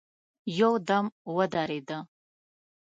يودم ودرېده.